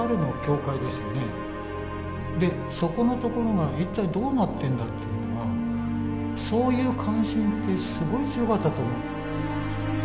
でそこのところが一体どうなってんだっていうのはそういう関心ってすごい強かったと思う。